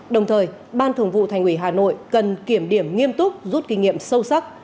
đồng thời ban thường vụ thành ủy hà nội cần kiểm điểm nghiêm túc rút kinh nghiệm sâu sắc